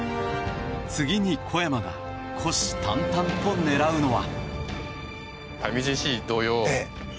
次に小山が虎視眈々と狙うのは。